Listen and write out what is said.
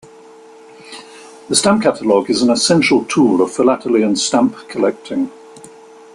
The stamp catalog is an essential tool of philately and stamp collecting.